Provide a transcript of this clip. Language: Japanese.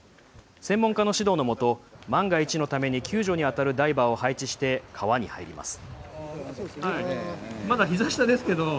専門家の指導のもと万が一のために救助にあたるダイバーを配置して川に入ります。